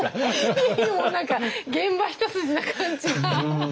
いえいえもう何か現場一筋な感じが。